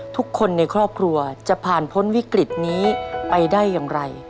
ทุกคนในครอบครัวจะผ่านพ้นวิกฤตนี้ไปได้อย่างไร